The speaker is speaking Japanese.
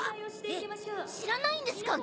えっ知らないんですか？